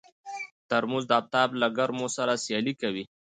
ترموز د افتاب له ګرمو سره سیالي کوي.